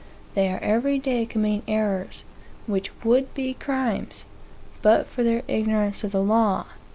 They are every day committing errors, which would be crimes, but for their ignorance of the law.